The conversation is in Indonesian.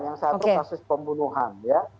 yang satu kasus pembunuhan ya